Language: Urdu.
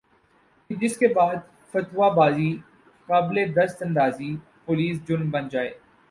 کہ جس کے بعد فتویٰ بازی قابلِ دست اندازیِ پولیس جرم بن جائے